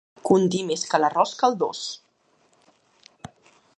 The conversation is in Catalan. Condir més que l'arròs caldós.